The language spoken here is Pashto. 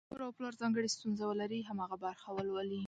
که مور او پلار ځانګړې ستونزه ولري، هماغه برخه ولولي.